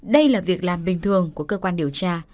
đây là việc làm bình thường của cơ quan điều tra